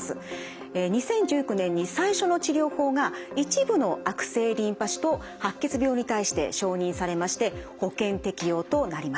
２０１９年に最初の治療法が一部の悪性リンパ腫と白血病に対して承認されまして保険適用となりました。